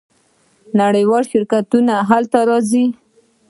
نړیوال شرکتونه هلته راځي.